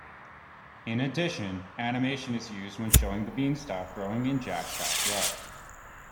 In addition, animation is used when showing the beanstalk growing in Jack's backyard.